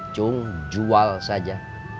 cuma jual saja